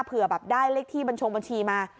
เผื่อแบบได้เลขที่บัญชงบัญชีมา